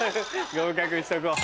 合格にしとこう。